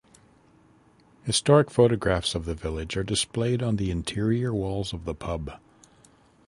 Historic photographs of the village are displayed on the interior walls of the pub.